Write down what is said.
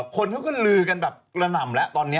คนเขาก็ลือกันแบบกระหน่ำแล้วตอนนี้